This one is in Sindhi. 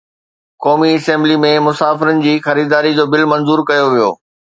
قومي اسيمبلي ۾ مسافرن جي خريداري جو بل منظور ڪيو ويو